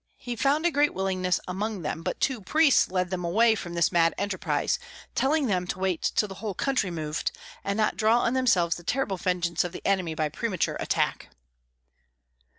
He found a great willingness among them; but two priests led them away from this mad enterprise, telling them to wait till the whole country moved, and not draw on themselves the terrible vengeance of the enemy by premature attack.